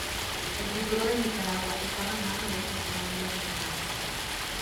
El futuro de Nicaragua estaba en mano de estos comandos regionales.